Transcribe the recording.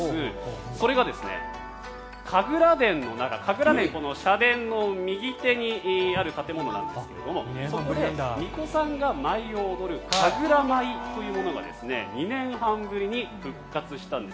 それが神楽殿というこの社殿の右手にある建物なんですがそこで、みこさんが舞を踊る神楽舞というものが２年半ぶりに復活したんです。